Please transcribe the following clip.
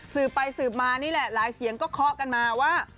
สืบไปสืบมานี่แหละหลายเสียงก็เคาะกันมาว่า